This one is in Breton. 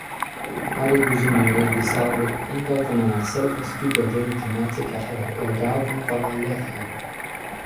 Mat eo gouzout neuze e vez savet ingal gant an Arsellva studiadennoù tematek a c’heller pellgargañ war al lec'hienn.